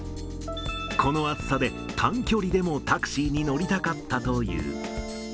この暑さで、短距離でもタクシーに乗りたかったという。